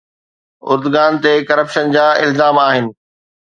Erdogan تي corruption جا الزام آهن.